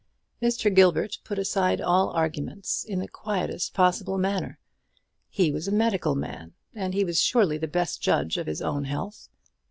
Mr. Gilbert put aside all arguments in the quietest possible manner. He was a medical man, and he was surely the best judge of his own health.